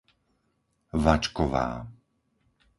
Vačková